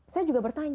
saya juga bertanya